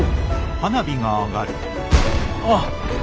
あっ！